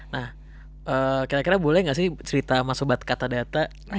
nah kira kira boleh gak sih cerita sama sobat katadata